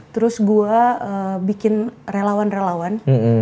terus gue bikin relawan relawan